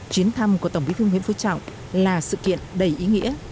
chuyến thăm của tổng bí thương huyện phú trọng là sự kiện đầy ý nghĩa